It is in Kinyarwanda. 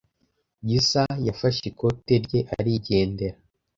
Gisa yafashe ikote rye arigendera.